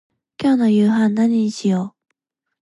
今日の夕飯何にしよう。